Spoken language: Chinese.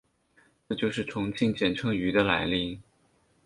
这就是重庆简称渝的来历。